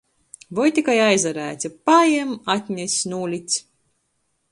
Voi tikai aizarēce – pajem, atnes, nūlic.